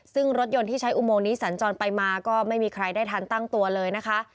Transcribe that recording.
ซึ่งรถยนต์ที่ใช้อุโมงนี้สัญจรไปมาก็ไม่มีใครได้ทันตั้งตัวเลยนะคะ